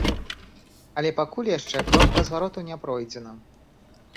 Але пакуль яшчэ кропка звароту не пройдзена.